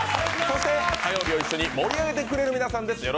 そして火曜日を一緒に盛り上げてくれる皆さんです。